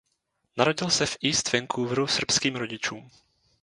Narodil se v East Vancouveru srbským rodičům.